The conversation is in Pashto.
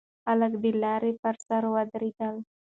خلک د لارې پر سر ودرېدل.